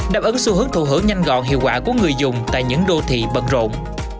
đáp ứng xu hướng thủ hướng nhanh gọn hiệu quả của người dùng tại những đô thị bận rộn